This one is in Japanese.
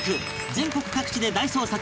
全国各地で大捜索